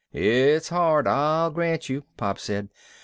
"It's hard, I'll grant you," Pop said.